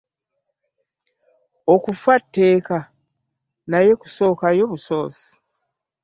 Okufa tteeka naye kusookayo busoosi.